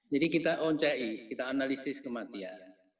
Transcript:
jadi kita oncai kita analisis kematian